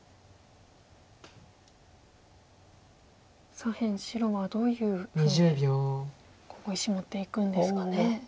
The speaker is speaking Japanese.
左辺白はどういうふうにここ石持っていくんですかね。